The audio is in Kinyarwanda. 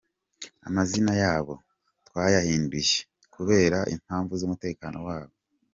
Amazina yabo twayahinduye, kubera impamvu z’umutekano wabo.